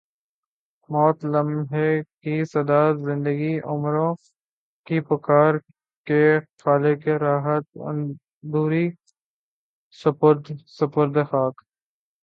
موت لمحے کی صدا زندگی عمروں کی پکار کے خالق راحت اندوری سپرد خاک